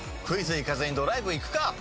クイズ行かずにドライブ行くか。